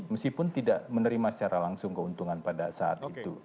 meskipun tidak menerima secara langsung keuntungan pada saat itu